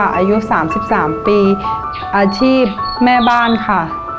อายุ๓๓ปีอาชีพแม่บ้านค่ะ